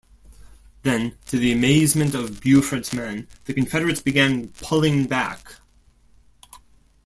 Then, to the amazement of Buford's men, the Confederates began pulling back.